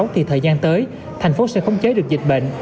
thì thời gian tới thành phố sẽ khống chế được dịch bệnh